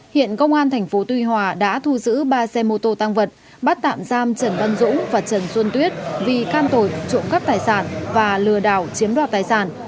hiện công an tp tuy hòa đã thu giữ ba xe mô tô tăng vật bắt tạm giam trần văn dũng và trần xuân tuyết vì can tội trộm cắp tài sản và lừa đảo chiếm đoạt tài sản